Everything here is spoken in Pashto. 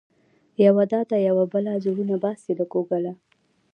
یوه دا ده يوه بله، زړونه باسې له ګوګله